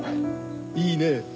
いいね。